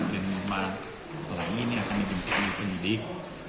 yang lainnya akan dijemput ke penyidik